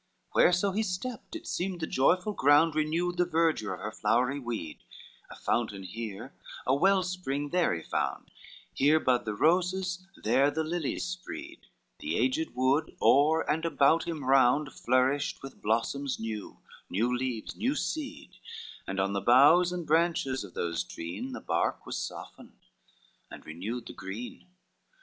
XXIII Whereso he stepped, it seemed the joyful ground Renewed the verdure of her flowery weed, A fountain here, a wellspring there he found; Here bud the roses, there the lilies spread The aged wood o'er and about him round Flourished with blossoms new, new leaves, new seed, And on the boughs and branches of those treen, The bark was softened, and renewed the green.